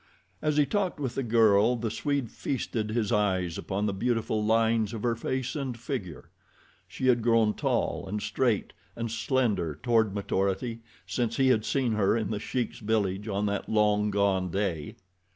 As he talked with the girl the Swede feasted his eyes upon the beautiful lines of her face and figure. She had grown tall and straight and slender toward maturity since he had seen her in The Sheik's village on that long gone day.